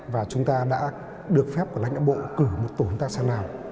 và chúng ta đã được phép của lãnh đạo bộ cử một tổn thạc sang nào